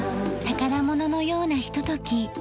宝物のようなひととき。